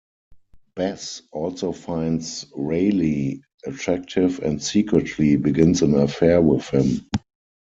Bess also finds Raleigh attractive and secretly begins an affair with him.